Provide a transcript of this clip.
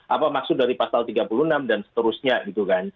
apa maksud dari pasal tiga puluh enam dan seterusnya